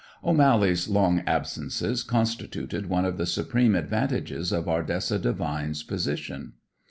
O'Mally's long absences constituted one of the supreme advantages of Ardessa Devine's position.